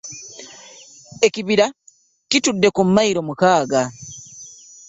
Ekibira kitudde ku mayiro mukaaga.